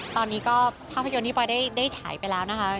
ตอนนี้ก็ภาพยนตร์ที่ปอยได้ฉายไปแล้วนะคะ